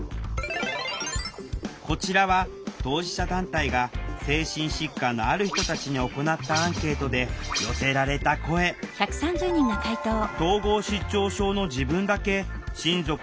こちらは当事者団体が精神疾患のある人たちに行ったアンケートで寄せられた声断る必要ないじゃん。